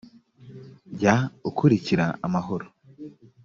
jya ukurikira amahoro